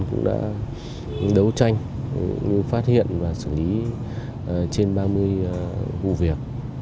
cũng đã đấu tranh phát hiện và xử lý trên ba mươi vụ việc